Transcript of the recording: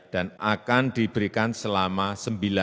dan akan diberikan selama sembilan bulan